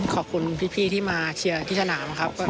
ขอบคุณพี่ที่มาเชียร์ที่สนามครับ